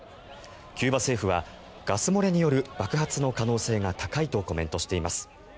キューバ政府はガス漏れによる爆発の可能性が高いとコメントしています。